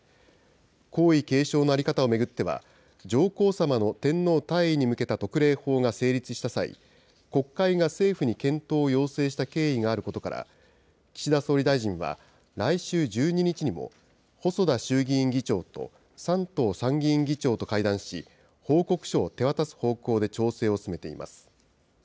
皇位継承の在り方を巡っては、上皇さまの天皇退位に向けた特例法が成立した際、国会が政府に検討を要請した経緯があることから、岸田総理大臣は来週１２日にも、細田衆議院議長と山東参議院議長と会談し、報告書を手渡す方向で調整を進めています。